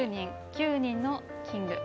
９人のキング。